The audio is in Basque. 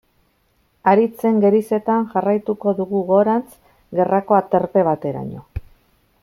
Haritzen gerizetan jarraituko dugu gorantz, gerrako aterpe bateraino.